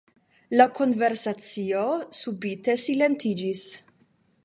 La konversacio subite silentiĝis.